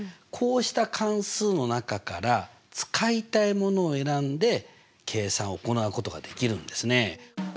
こうした関数の中から使いたいものを選んで計算を行うことができるんですね。